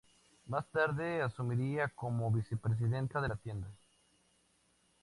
Más tarde asumiría como vicepresidente de la tienda.